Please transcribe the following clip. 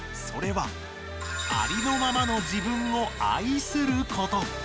それはありのままの自分を愛すること。